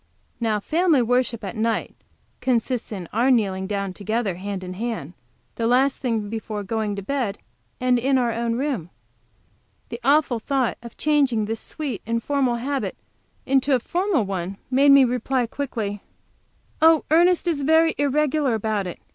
Now family worship at night consists in our kneeling down together hand in hand, the last thing before going to bed, and in our own room. The awful thought of changing this sweet, informal habit into a formal one made me reply quickly: "Oh, Ernest is very irregular about it.